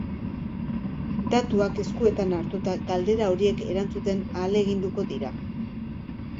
Datuak eskuetan hartuta, galdera horiek erantzuten ahaleginduko dira.